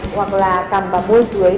hoặc là cằm vào môi dưới